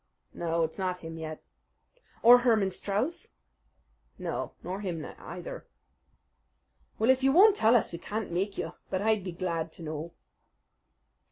"No, it's not him yet." "Or Herman Strauss?" "No, nor him either." "Well, if you won't tell us we can't make you; but I'd be glad to know."